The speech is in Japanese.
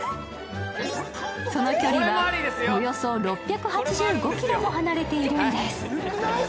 その距離はおよそ６８５ｋｍも離れているんです。